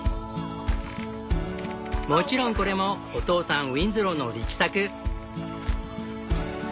もちろんこれもお父さんウィンズローの力作。